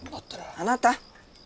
あなた。